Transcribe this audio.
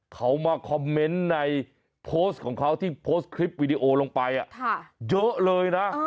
เขามาคอมเมนต์ในโพสต์ของเขาที่โพสต์คลิปวิดีโอลงไปเยอะเลยนะ